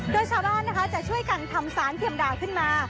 โดยชาวบ้านนะคะจะช่วยกันทำสารเพียงด่าขึ้นมา